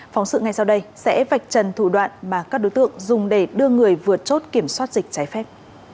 phóng sự ngay sau đây sẽ vạch trần thủ đoạn mà các đối tượng dùng để đưa người vượt chốt kiểm soát dịch trái phép